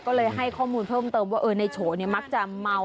ก็เลยให้ข้อมูลเพิ่มเติมว่าในโฉมักจะเมา